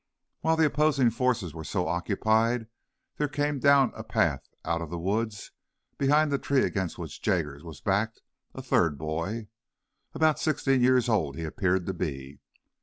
While the opposing forces were so occupied there came down a path out of the woods, behind the tree against which Jaggers was backed, a third boy. About sixteen years old he appeared to be.